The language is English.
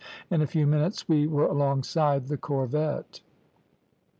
In a few minutes we were alongside the corvette.